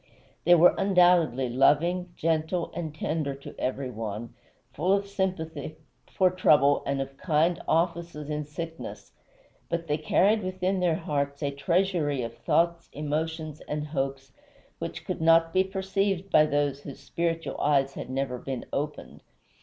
They were undoubtedly loving, gentle, and tender to every one, full of sympathy for trouble and of kind offices in sickness, but they carried within their hearts a treasury of thoughts, emotions, and hopes, which could not be perceived by those whose spiritual eyes had never been opened.